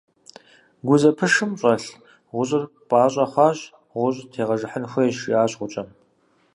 – Гузэпышым щӀэлъ гъущӀыр пӀащӀэ хъуащ, гъущӀ тегъэжыхьын хуейщ, – жиӀащ гъукӀэм.